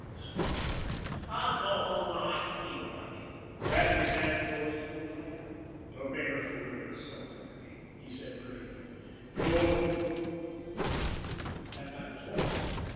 snarled Reddy. "I'll go home when I feel like it!" Bradley's hand closed a little tighter. "Don't make a fool of yourself, Reddy," he said gravely. "You'll " And that was all.